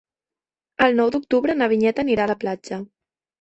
El nou d'octubre na Vinyet anirà a la platja.